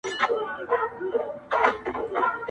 د سندرغاړو لپاره -